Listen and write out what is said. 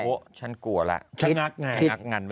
โอ๊ะฉันกลัวละฉันงักไงงักงันไว้ก่อน